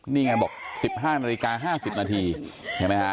นี่ไงบอก๑๕นาฬิกา๕๐นาทีใช่ไหมฮะ